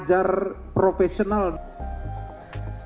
dan juga untuk pendidikan